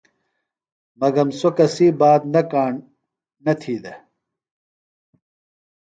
مگم سوۡ کسی بات نہ کاݨ نہ تھی دےۡ۔